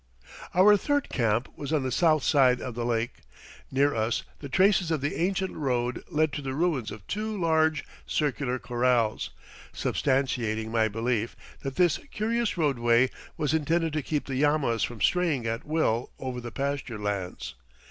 Our third camp was on the south side of the lake. Near us the traces of the ancient road led to the ruins of two large, circular corrals, substantiating my belief that this curious roadway was intended to keep the llamas from straying at will over the pasture lands.